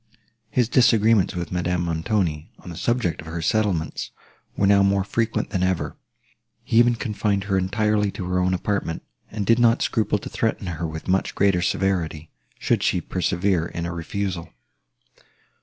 His disagreements with Madame Montoni, on the subject of her settlements, were now more frequent than ever; he even confined her entirely to her own apartment, and did not scruple to threaten her with much greater severity, should she persevere in a refusal.